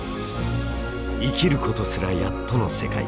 生きることすらやっとの世界。